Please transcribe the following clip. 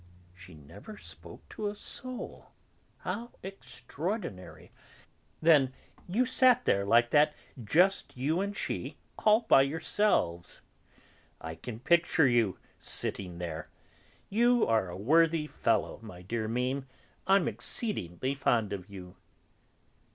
She never spoke to a soul? How extraordinary! Then you sat there like that, just you and she, all by yourselves? I can picture you, sitting there! You are a worthy fellow, my dear Mémé; I'm exceedingly fond of you."